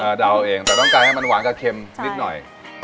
เดาเองแต่ต้องการให้มันหวานกับเค็มนิดหน่อย